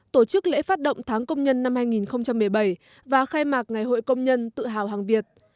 tổ chức lễ phát động tháng công nhân năm hai nghìn một mươi bảy và khai mạc ngày hội công nhân tự hào hàng việt